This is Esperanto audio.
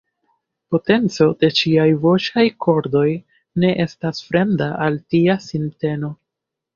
Potenco de ŝiaj voĉaj kordoj ne estas fremda al tia sinteno.